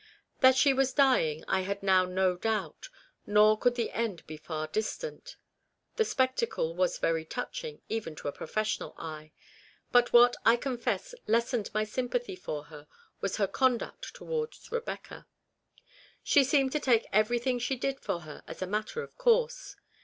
That she was dying I had now no doubt, nor could the end be far distant. The spectacle was very touching, even to a pro fessional eye ; but what, I confess, lessened my sympathy for her was her conduct towards Eebecca. She seemed to take everything she did for her as a matter of course.